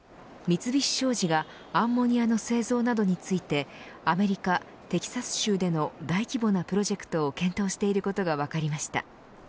三菱商事がアンモニアの製造などについてアメリカ、テキサス州での大規模なプロジェクトを検討していることが分かりました。